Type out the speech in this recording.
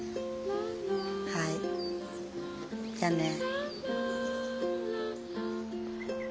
はいじゃあね。